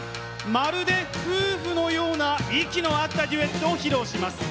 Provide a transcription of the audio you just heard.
まるで夫婦のような息の合ったデュエットを披露します。